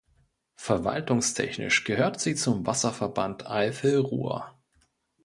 Verwaltungstechnisch gehört sie zum Wasserverband Eifel-Rur.